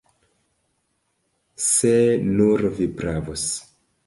Se nur vi pravus!